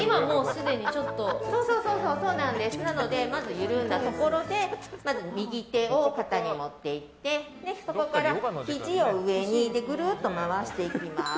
緩んだところでまず右手を肩に持っていってそこから、ひじを上にぐるっと回していきます。